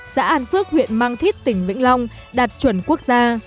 xã an phước huyện mang thít tỉnh vĩnh long đạt chuẩn quốc gia